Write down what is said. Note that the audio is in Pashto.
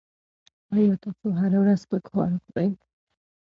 ایا تاسو هره ورځ سپک خواړه خوري؟